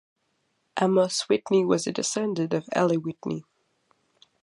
Amos Whitney was a descendant of Eli Whitney.